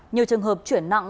nhiều trường hợp chuyển nặng